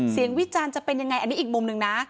วิจารณ์จะเป็นยังไงอันนี้อีกมุมหนึ่งนะ